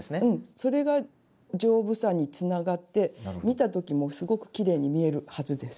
それが丈夫さにつながって見た時もすごくきれいに見えるはずです。